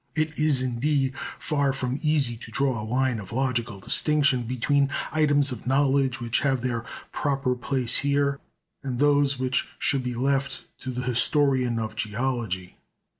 It is indeed far from easy to draw a line of logical distinction between items of knowledge which have their proper place here, and those which should be left to the historian of geology.